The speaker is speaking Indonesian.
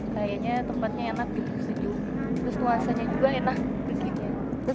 kayaknya tempatnya enak gitu sejuk